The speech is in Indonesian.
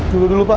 dulu dulu pak